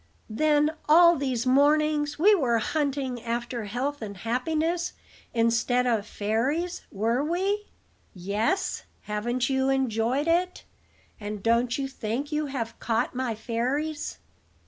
"Then all these mornings we were hunting after health and happiness, instead of fairies, were we?" "Yes: haven't you enjoyed it, and don't you think you have caught my fairies?"